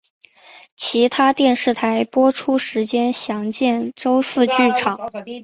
其他电视台播出时间详见周四剧场。